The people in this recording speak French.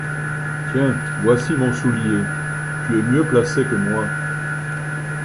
Tiens, voici mon soulier: tu es mieux placé que moi ;